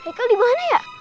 aduh heikal dimana ya